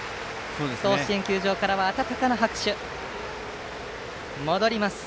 甲子園球場からは温かな拍手。